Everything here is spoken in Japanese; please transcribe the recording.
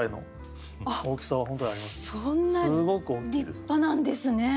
そんな立派なんですね。